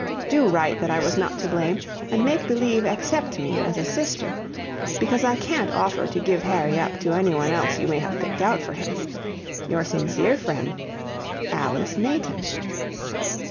"DO write that I was not to blame, and make believe accept me as a sister, because I CAN'T offer to give Harry up to any one else you may have picked out for him. "Your sincere friend, "ALICE MAYTON."